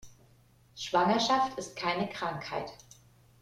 Schwangerschaft ist keine Krankheit.